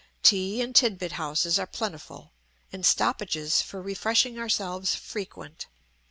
Tea and tid bit houses are plentiful, and stoppages for refreshing ourselves frequent.